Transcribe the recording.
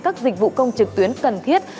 các dịch vụ công trực tuyến cần thiết